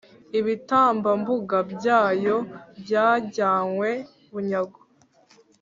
Ibitambambuga byayo byajyanywe bunyago,